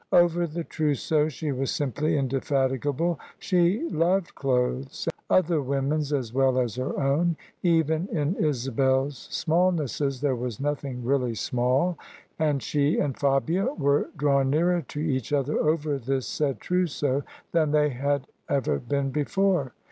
Over the trousseau she was simply indefatigable. She loved clothes, other women's as well as her own: even in Isabel's small nesses there was nothing really small: and she and Fabia were drawn nearer to each other over this said trousseau than they had ever been before.